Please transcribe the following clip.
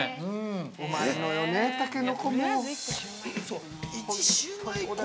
うまいのよね、たけのこも。